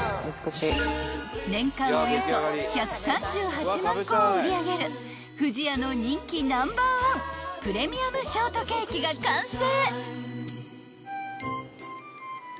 ［年間およそ１３８万個を売り上げる不二家の人気ナンバーワンプレミアムショートケーキが完成］